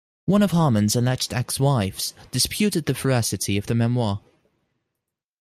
One of Harmon's alleged ex-wives disputed the veracity of the memoir.